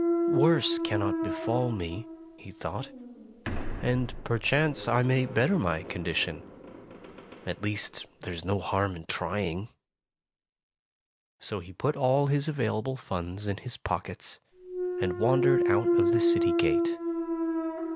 "Worse cannot befall me," he thought, "and perchance I may better my condi tion. At least, there's no harm in try mg. Tales of Modern Germany 51 So he put all his available funds in his pockets and wandered out of the city gate.